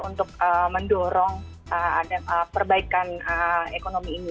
untuk mendorong ada perbaikan ekonomi ini